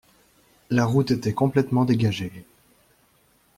La route était complètement dégagée.